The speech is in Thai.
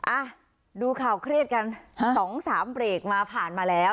อ่ะดูข่าวเครียดกันสองสามเบรกมาผ่านมาแล้ว